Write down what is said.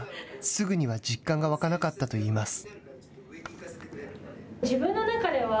すぐには実感が湧かなかったといいます。